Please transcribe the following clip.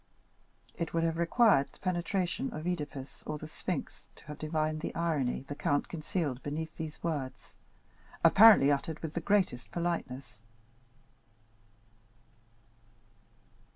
It would have required the penetration of Œdipus or the Sphinx to have divined the irony the count concealed beneath these words, apparently uttered with the greatest politeness.